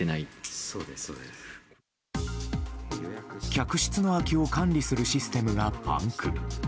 客室の空きを管理するシステムがパンク。